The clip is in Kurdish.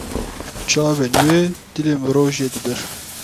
Çavên wê dilê mirov jê dibir.